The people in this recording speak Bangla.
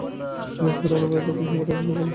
তিনি স্কাউটিং-অনুপ্রাণিত একটি সংগঠন স্থাপন করেন।